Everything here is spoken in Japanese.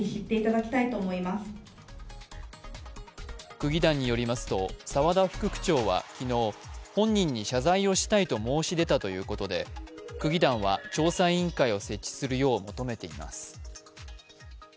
区議団によりますと沢田副区長は昨日、本人に謝罪をしたいと申し出たということで区議団は調査委員会を設置するよう求めています。